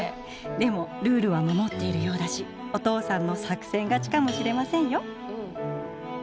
でもルールは守っているようだしお父さんの作戦勝ちかもしれませんよ。